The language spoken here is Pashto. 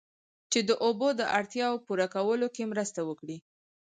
چې د اوبو د اړتیاوو پوره کولو کې مرسته وکړي